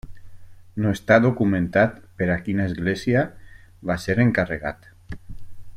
No està documentat per a quina església va ser encarregat.